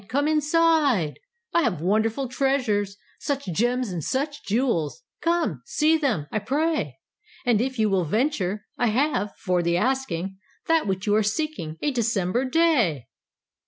Come inside! I have wonderful treasures, Such gems and such jewels! Come, see them, I pray. And if you will venture, I have for the asking That which you are seeking, A December day!"